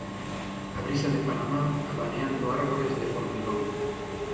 A brisa de Panamá abaneando árbores de formigón.